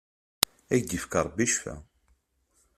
Ad ak-d-ifk Rebbi Ccfa!